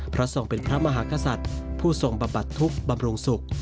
ทรงเป็นพระมหากษัตริย์ผู้ทรงบำบัดทุกข์บำรุงสุข